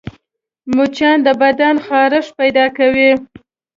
مچان د بدن خارښت پیدا کوي